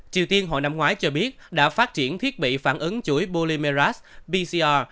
triều tiên hồi năm ngoái cho biết đã phát triển thiết bị phản ứng chuỗi bolimerat pcr